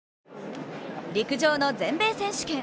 陸上の全米選手権。